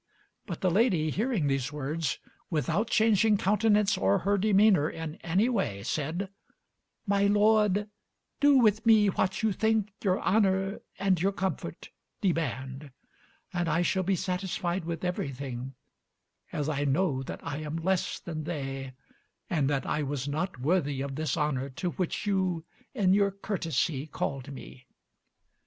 But the lady, hearing these words, without changing countenance or her demeanor in any way, said, "My lord, do with me what you think your honor and your comfort demand, and I shall be satisfied with everything, as I know that I am less than they, and that I was not worthy of this honor to which you in your courtesy called me."